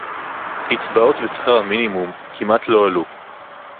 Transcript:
הקצבאות ושכר המינימום כמעט לא עלו